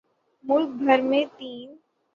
ملک بھر میں تین